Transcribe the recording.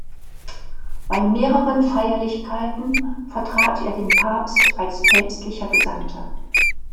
Bei mehreren Feierlichkeiten vertrat er den Papst als Päpstlicher Gesandter.